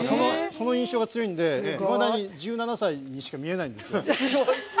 その印象が強いのでいまだに１７歳にしか見えないんです。